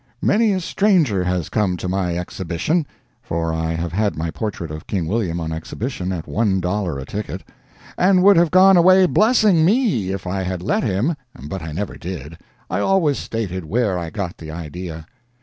Many a stranger has come to my exhibition (for I have had my portrait of King William on exhibition at one dollar a ticket), and would have gone away blessing_ me_, if I had let him, but I never did. I always stated where I got the idea.